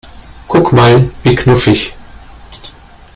Guck mal, wie knuffig!